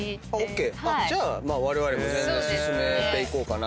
じゃあわれわれも全然進めていこうかなと。